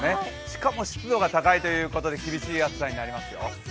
しかも湿度が高いということで厳しい暑さになりそうですよ。